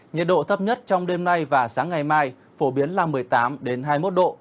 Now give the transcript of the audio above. nhiệt độ thấp nhất trong đêm nay và sáng ngày mai phổ biến là một mươi tám hai mươi một độ